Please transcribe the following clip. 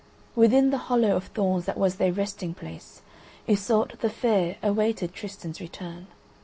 Within the hollow of thorns that was their resting place Iseult the Fair awaited Tristan's return.